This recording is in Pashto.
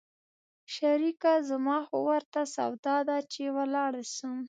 شريکه زما خو ورته سودا ده چې ولاړ سم.